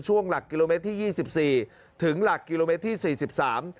หลักกิโลเมตรที่ยี่สิบสี่ถึงหลักกิโลเมตรที่สี่สิบสาม